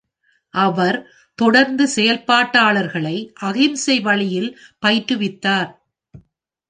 அவர் தொடர்ந்து செயற்பாட்டாளர்களை அகிம்சை வழியில் பயிற்றுவித்தார்.